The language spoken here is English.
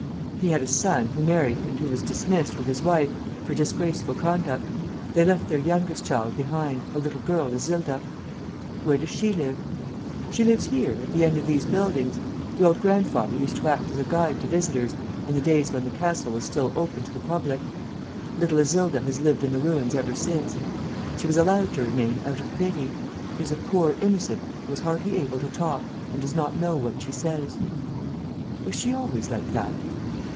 "He had a son, who married and who was dismissed, with his wife, for disgraceful conduct. They left their youngest child behind, a little girl, Isilda." "Where does she live?" "She lives here, at the end of these buildings. The old grandfather used to act as a guide to visitors, in the days when the castle was still open to the public. Little Isilda has lived in the ruins ever since. She was allowed to remain out of pity. She is a poor innocent, who is hardly able to talk and does not know what she says." "Was she always like that?"